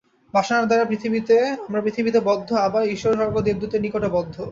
বাসনার দ্বারা আমরা পৃথিবীতে বদ্ধ, আবার ঈশ্বর স্বর্গ দেবদূতের নিকটও বদ্ধ।